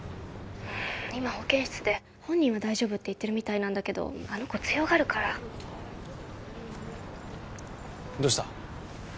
☎うん今保健室で本人は大丈夫って言ってるみたいなんだけどあの子強がるからどうした？